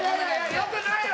よくないわ！